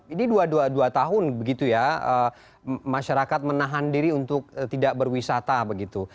ini dua dua tahun begitu ya masyarakat menahan diri untuk tidak berwisata begitu